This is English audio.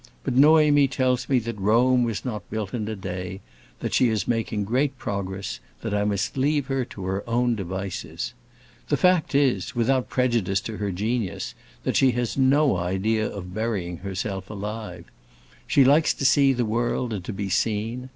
But Noémie tells me that Rome was not built in a day, that she is making great progress, that I must leave her to her own devices. The fact is, without prejudice to her genius, that she has no idea of burying herself alive. She likes to see the world, and to be seen.